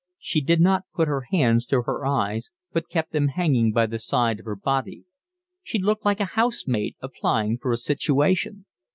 She did not put her hands to her eyes, but kept them hanging by the side of her body. She looked like a housemaid applying for a situation.